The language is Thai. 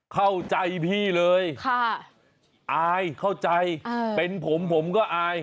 เข้าใจพี่เลยอายเข้าใจเป็นผมผมก็อาย